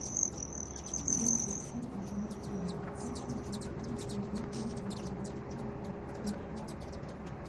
Speed of action and movement, coupled with both direct and indirect fire, are essential.